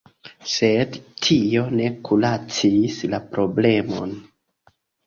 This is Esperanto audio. Sed tio ne kuracis la problemon.